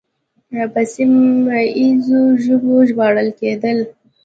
په سیمه ییزو ژبو ژباړل کېدل